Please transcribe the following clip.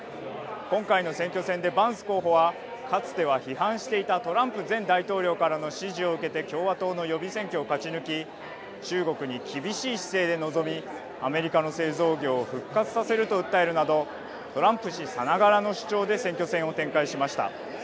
今回の選挙戦でバンス候補はかつては批判していたトランプ前大統領からの支持を受けて共和党の予備選挙を勝ち抜き、中国に厳しい姿勢で臨みアメリカの製造業を復活させると訴えるなどトランプ氏さながらの主張で選挙戦を展開しました。